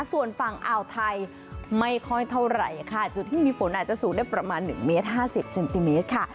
ส่วนฝั่งอ่าวไทยไม่ค่อยเท่าไหร่ค่ะจุดที่มีฝนอาจจะสูงได้ประมาณ๑เมตร๕๐เซนติเมตรค่ะ